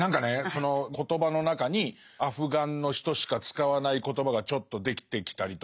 その言葉の中にアフガンの人しか使わない言葉がちょっと出てきたりとか。